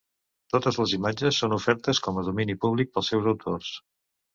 Totes les imatges són ofertes com a domini públic pels seus autors.